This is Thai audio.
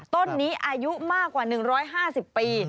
ต้นนี้อายุมากกว่า๑๕๐ปี